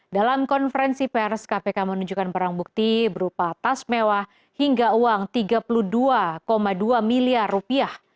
dalam konferensi pers kpk menunjukkan perang bukti berupa tas mewah hingga uang tiga puluh dua dua miliar rupiah